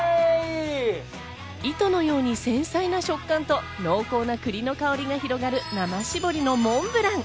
糸のように繊細な食感と濃厚な栗の香りが広がる生搾りのモンブラン。